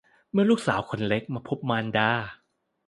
เมื่อลูกสาวคนเล็กมาพบมารดา